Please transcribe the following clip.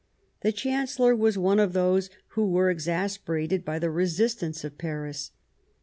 The Chancellor was one of those who were exas perated by the resistance of Paris.